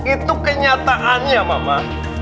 itu kenyataannya mama